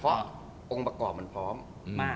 เพราะองค์ประกอบมันพร้อมมาก